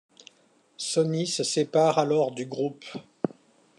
Sony se sépare alors du groupe.